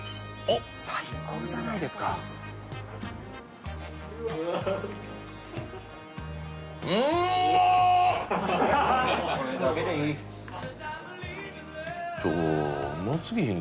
最高じゃないですかこれだけでいいちょっとうますぎひん？